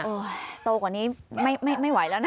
โตกว่านี้ไม่ไหวแล้วนะ